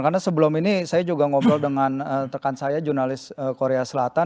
karena sebelum ini saya juga ngobrol dengan rekan saya jurnalis korea selatan